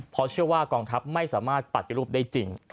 เพราะเชื่อว่ากองทัพไม่สามารถปฏิรูปได้จริง